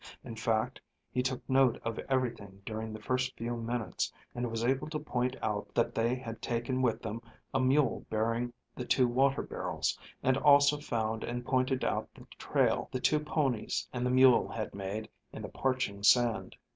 In fact, he took note of everything during the first few minutes, and was able to point out that they had taken with them a mule bearing the two water barrels, and also found and pointed out the trail the two ponies and the mule had made in the parching sand.